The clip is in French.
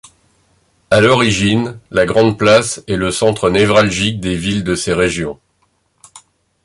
À l'origine, la grand-place est le centre névralgique des villes de ces régions.